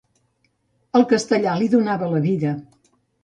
El castellà li donava la vida.